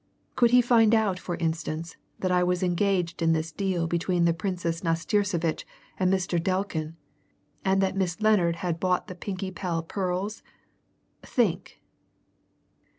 Could he find out, for instance, that I was engaged in this deal between the Princess Nastirsevitch and Mr. Delkin, and that Miss Lennard had bought the Pinkie Pell pearls? Think!"